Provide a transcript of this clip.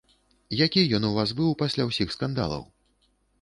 Які ён у вас быў пасля усіх скандалаў?